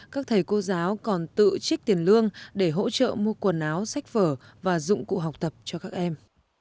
các thầy cô giáo còn tự trích tiền lương để hỗ trợ mua quần áo sách vở và dụng cụ học tập cho các em